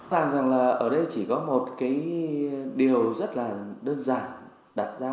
thật ra là ở đây chỉ có một điều rất là đơn giản đặt ra